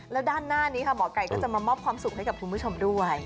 แล้วด้านหน้านี้ค่ะหมอไก่ก็จะมามอบความสุขให้กับคุณผู้ชมด้วย